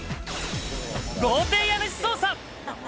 豪邸家主捜査。